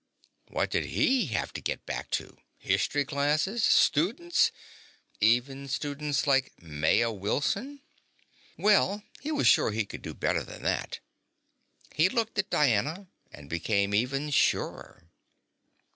What did he have to go back to? History classes? Students? Even students like Maya Wilson? Well, he was sure he could do better than that. He looked at Diana and became even surer.